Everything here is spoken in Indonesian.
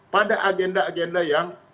pada agenda agenda yang